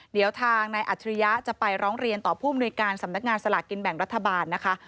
เดี๋ยวทางนายอัจฉริยะจะไปร้องเรียนต่อผู้มนุยการสำนักงานสลากกินแบ่งรัฐบาลนะคะ